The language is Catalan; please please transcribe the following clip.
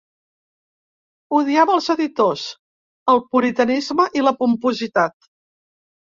Odiava els editors, el puritanisme i la pompositat.